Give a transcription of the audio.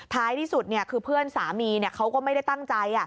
ท้ายที่สุดคือเพื่อนสามีเขาก็ไม่ได้ตั้งใจ